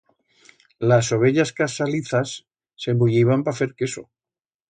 Las ovellas casalizas se muyiban pa fer queso.